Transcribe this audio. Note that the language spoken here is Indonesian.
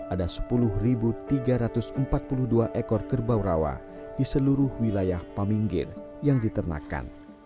ada sepuluh tiga ratus empat puluh dua ekor kerbau rawa di seluruh wilayah paminggir yang diternakan